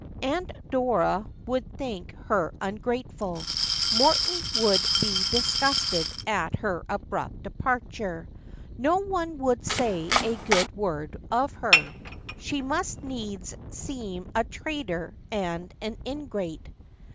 Aunt Dora would think her ungrateful — Morton would be disgusted at her abrupt departure. No one would say a good word of her. She must needs seem a traitor and an ingrate.